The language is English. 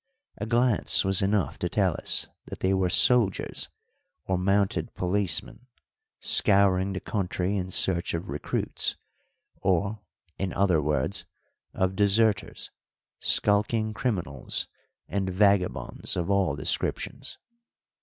A glance was enough to tell us that they were soldiers or mounted policemen, scouring the country in search of recruits, or, in other words, of deserters, skulking criminals, and vagabonds of all descriptions.